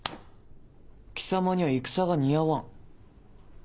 貴様には戦が似合わん。